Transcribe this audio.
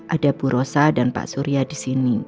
ada bu rosa dan pak surya disini